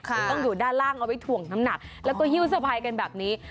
คือต้องอยู่ด้านล่างเอาไว้ถ่วงน้ำหนักแล้วก็ฮิ้วสะพายกันแบบนี้